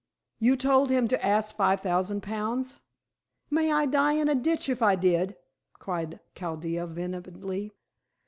"You told him to ask five thousand pounds." "May I die in a ditch if I did!" cried Chaldea vehemently.